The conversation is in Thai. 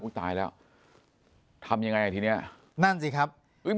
อุ้ยตายแล้วทำยังไงไอ้ทีเนี่ยนั่นสิครับ